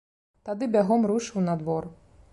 Тады бягом рушыў на двор.